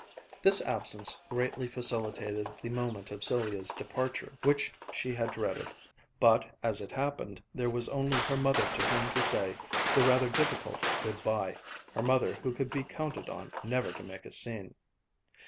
This absence greatly facilitated the moment of Sylvia's departure, which she had dreaded. But, as it happened, there was only her mother to whom to say the rather difficult good bye, her mother who could be counted on never to make a scene.